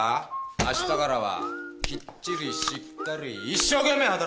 あしたからはきっちりしっかり一生懸命働くように。